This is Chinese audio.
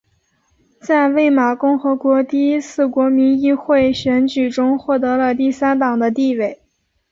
在魏玛共和国第一次国民议会选举中获得了第三党的地位。